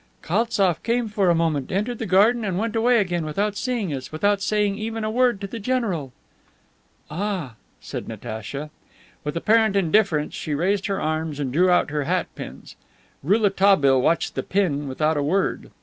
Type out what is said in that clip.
"Kaltsof came for a moment, entered the garden and went away again without seeing us, without saying even a word to the general." "Ah," said Natacha. With apparent indifference, she raised her arms and drew out her hat pins. Rouletabille watched the pin without a word.